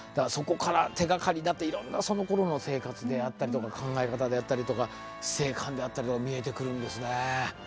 そこから手がかりになっていろんなそのころの生活であったりとか考え方であったりとか死生観であったりとか見えてくるんですね。